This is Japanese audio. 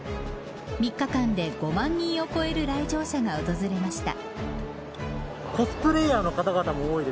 ３日間で５万人を超える来場者が訪れました。